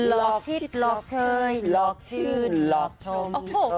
หลอกชิดหลอกเชยหลอกชื่นหลอกชม